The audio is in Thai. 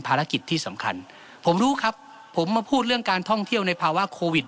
ภารกิจที่สำคัญผมรู้ครับผมมาพูดเรื่องการท่องเที่ยวในภาวะโควิด